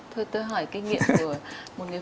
thôi tôi hỏi kinh nghiệm của một người phụ nữ